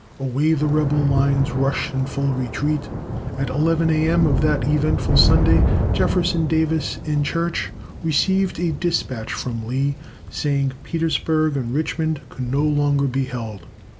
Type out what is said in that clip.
Away the rebel lines rushed in full retreat. At eleven a.m. of that eventful Sunday, Jefferson Davis, in church, received a despatch from Lee, saying Petersburg and Richmond could no longer be held.